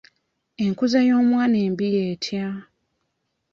Enkuza y'omwana embi y'etya?